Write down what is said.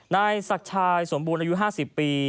นายศักดิ์ชายสมบูรณ์อายุ๕๐ปี